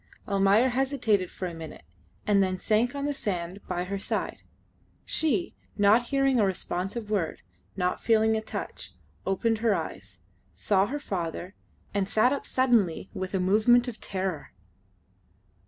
Almayer hesitated for a minute and then sank on the sand by her side. She, not hearing a responsive word, not feeling a touch, opened her eyes saw her father, and sat up suddenly with a movement of terror.